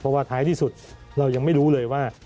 เพราะว่าท้ายที่สุดเรายังไม่รู้เลยว่า